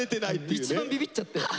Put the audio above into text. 一番ビビっちゃって。